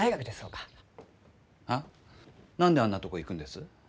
あ？何であんなとこ行くんです？